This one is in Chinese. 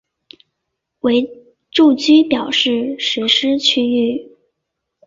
为住居表示实施区域。